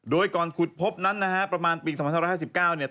โดยก่อนขุดพบนั้นนะฮะประมาณปี๒๕๕๙เนี่ย